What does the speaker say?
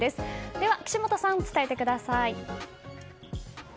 では岸本さん、伝えてください。